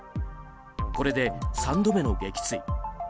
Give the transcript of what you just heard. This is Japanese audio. これで３度目の撃墜。